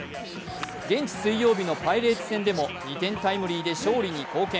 現地水曜日のパイレーツ戦でも、２点タイムリーで勝利に貢献。